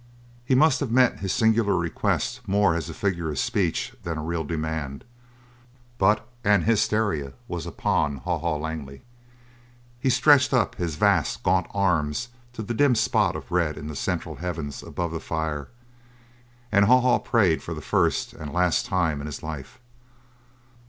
He must have meant his singular request more as a figure of speech than a real demand, but an hysteria was upon Haw Haw Langley. He stretched up his vast, gaunt arms to the dim spot of red in the central heavens above the fire, and Haw Haw prayed for the first and last time in his life.